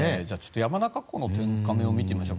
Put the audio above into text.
山中湖の天カメを見てみましょう。